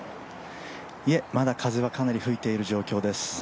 まだ風はかなり吹いている状況です。